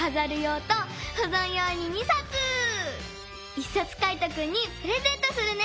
１さつカイトくんにプレゼントするね！